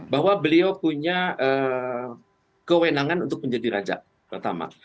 bahwa beliau punya kewenangan untuk menjadi raja pertama